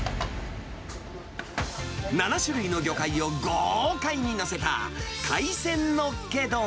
７種類の魚介を豪快に載せた、海鮮のっけ丼。